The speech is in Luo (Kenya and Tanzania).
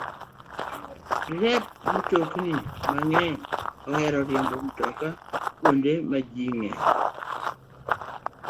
Derepe mtokni mang'eny ohero riembo matek kuonde ma ji ng'enyie.